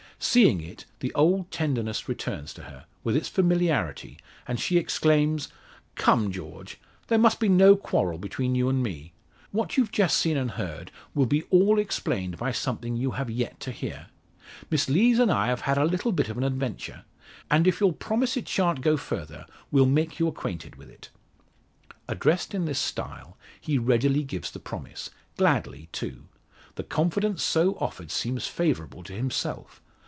Seeing it, the old tenderness returns to her, with its familiarity, and she exclaims: "Come, George! there must be no quarrel between you and me. What you've just seen and heard, will be all explained by something you have yet to hear. Miss Lees and I have had a little bit of an adventure; and if you'll promise it shan't go further, we'll make you acquainted with it." Addressed in this style, he readily gives the promise gladly, too. The confidence so offered seems favourable to himself.